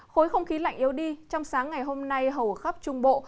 khối không khí lạnh yếu đi trong sáng ngày hôm nay hầu khắp trung bộ